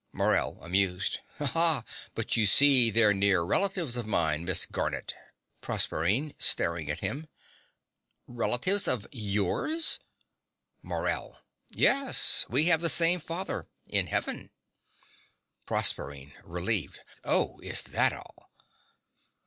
MORELL (amused). Ah; but you see they're near relatives of mine, Miss Garnett. PROSERPINE (staring at him). Relatives of YOURS! MORELL. Yes: we have the same father in Heaven. PROSERPINE (relieved). Oh, is that all?